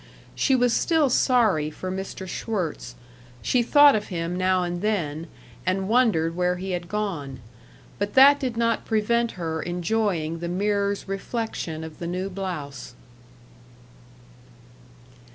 She was still sorry for Mr. Schwirtz; she thought of him now and then, and wondered where he had gone. But that did not prevent her enjoying the mirror's reflection of the new blouse.